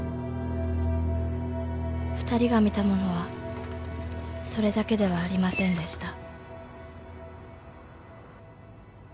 ［２人が見たものはそれだけではありませんでした］